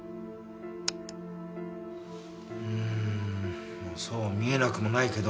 んーそう見えなくもないけど。